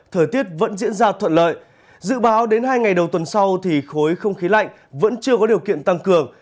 thời tiết vẫn diễn ra thuận lợi dự báo đến hai ngày đầu tuần sau thì khối không khí lạnh vẫn chưa có điều kiện tăng cường